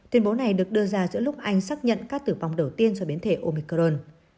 tuyên bố này được đưa ra giữa lúc anh xác nhận ca tử vong đầu tiên do biến thể omicron